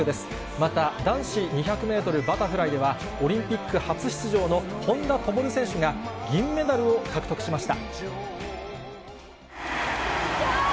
また、男子２００メートルバタフライでは、オリンピック初出場の本多灯選手が銀メダルを獲得しました。